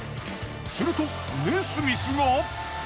するとネスミスが。